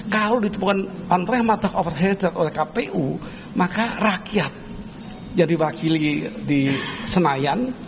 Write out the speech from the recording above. kalau ditemukan pantre matah overhead nya oleh kpu maka rakyat yang dibakili di senayan